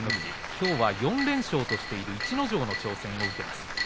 きょうは４連勝としている逸ノ城の挑戦を受けます。